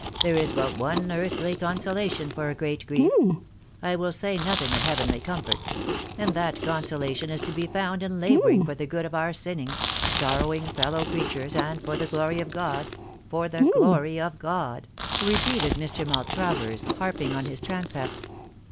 There is but one earthly consolation for a great grief I will say nothing of heavenly comfort and that consolation is to be found in labour ing for the good of our sinning, sorrowing fellow creatures, and for the glory of God for the glory of God," repeated Mr. Mal travers, harping on his transept.